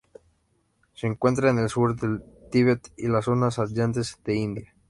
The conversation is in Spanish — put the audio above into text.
Se encuentra en el sur del Tibet y las zonas adyacentes de India.